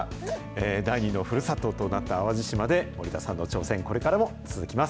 第二のふるさととなった淡路島で森田さんの挑戦、これからも続きます。